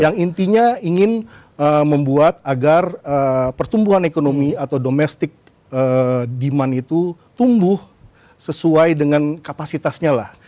yang intinya ingin membuat agar pertumbuhan ekonomi atau domestic demand itu tumbuh sesuai dengan kapasitasnya lah